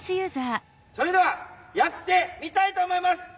それではやってみたいと思います！